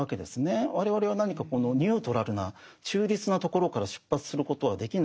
我々は何かニュートラルな中立なところから出発することはできない。